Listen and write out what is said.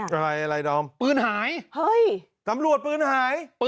เฮ้ยอะไรอ่ะปืนหายเฮ้ยตำรวจปืนหาย